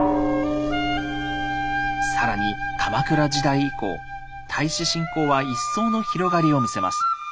更に鎌倉時代以降太子信仰は一層の広がりを見せます。